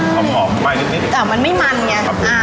อ๋อมันไม่มันแต่มันไม่มันไง